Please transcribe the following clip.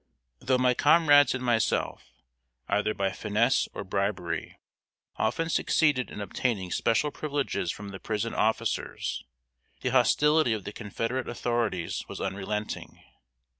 ] Though my comrades and myself, either by finesse or bribery, often succeeded in obtaining special privileges from the prison officers, the hostility of the Confederate authorities was unrelenting.